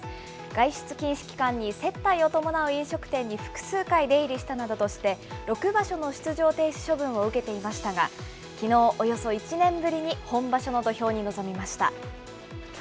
外出禁止期間に接待を伴う飲食店に複数回出入りしたなどとして、６場所の出場停止処分を受けていましたが、きのう、およそ１年ぶりに本場所の土俵に臨みました。